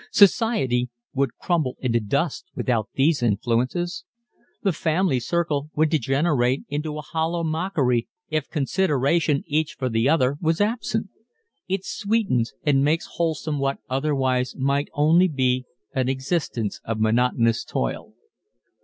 Society would crumble into dust without these influences. The family circle would degenerate into a hollow mockery if consideration each for the other was absent. It sweetens and makes wholesome what otherwise might only be an existence of monotonous toil.